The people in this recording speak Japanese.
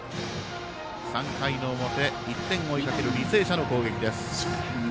３回の表、１点を追いかける履正社の攻撃です。